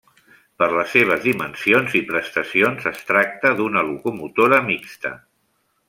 Per les seves dimensions i prestacions, es tracta d'una locomotora mixta.